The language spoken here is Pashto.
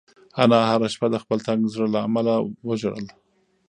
انا هره شپه د خپل تنګ زړه له امله وژړل.